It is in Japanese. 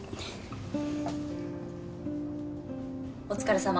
お疲れさま。